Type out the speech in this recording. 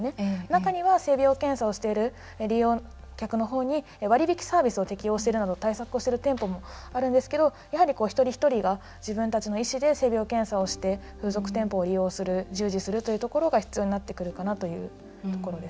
中には性病検査をしている利用客の方に割引サービスを適用しているなど対策をしている店舗もあるんですけどやはり一人一人が自分たちの意思で性病検査をして風俗店舗を利用する従事するというところが必要になってくるかな